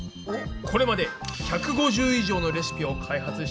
これまで１５０以上のレシピを開発してきたくぼ田さん。